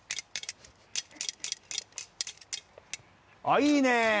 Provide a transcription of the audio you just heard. あいいね！